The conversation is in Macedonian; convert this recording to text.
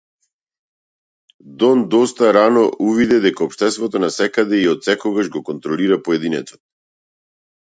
Дон доста рано увиде дека општеството насекаде и отсекогаш го контролира поединецот.